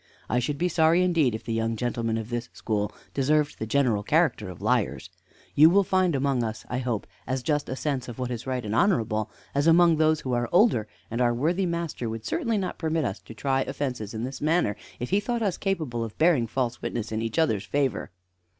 I should be sorry indeed if the young gentlemen of this school deserved the general character of liars. You will find among us, I hope, as just a sense of what is right and honorable as among those who are older, and our worthy master would certainly not permit us to try offences in this manner if he thought us capable of bearing false witness in each other's favor."